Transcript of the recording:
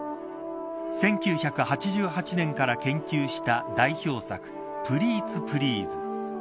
１９８８年から研究した代表作、プリーツ・プリーズ。